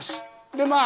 でまあ